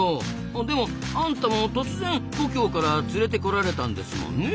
でもあんたも突然故郷から連れてこられたんですもんねえ。